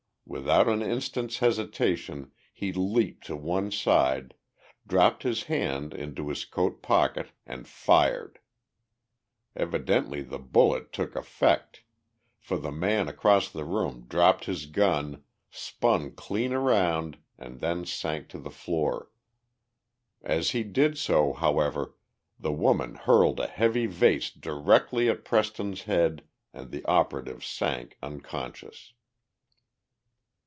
Without an instant's hesitation he leaped to one side, dropped his hand into his coat pocket, and fired. Evidently the bullet took effect, for the man across the room dropped his gun, spun clean around and then sank to the floor. As he did so, however, the woman hurled a heavy vase directly at Preston's head and the operative sank unconscious.